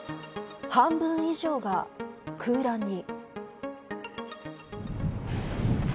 半分以上が空欄に。